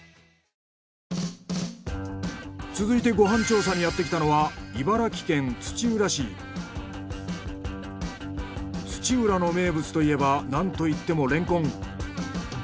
続いてご飯調査にやってきたのは土浦の名物といえばなんといってもレンコン。